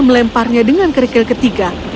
dan menempatkannya dengan kerikil ketiga